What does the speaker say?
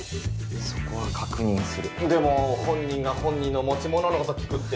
そこは確認するでも本人が本人の持ち物のこと聞くって「